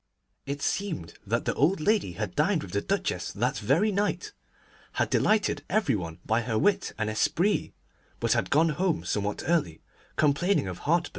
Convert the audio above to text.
It seemed that the old lady had dined with the Duchess that very night, had delighted every one by her wit and esprit, but had gone home somewhat early, complaining of heartburn.